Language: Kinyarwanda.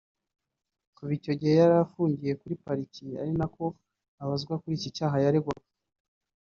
Kuva icyo gihe yari afungiwe kuri Pariki ari nako abazwa kuri iki cyaha yaregwaga